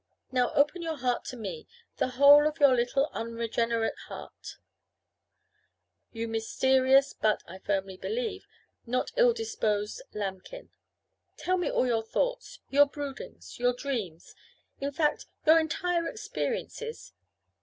Now, open your heart to me, the whole of your little unregenerate heart, you mysterious but (I firmly believe) not ill disposed lambkin. Tell me all your thoughts, your broodings, your dreams in fact, your entire experiences.